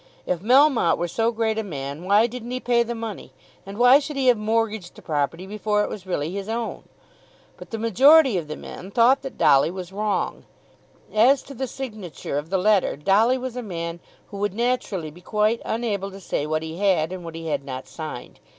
If Melmotte were so great a man why didn't he pay the money, and why should he have mortgaged the property before it was really his own? But the majority of the men thought that Dolly was wrong. As to the signature of the letter, Dolly was a man who would naturally be quite unable to say what he had and what he had not signed.